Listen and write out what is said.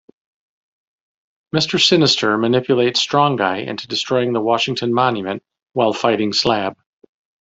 Mister Sinister manipulates Strong Guy into destroying the Washington Monument while fighting Slab.